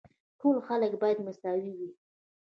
ټول خلک باید مساوي وي.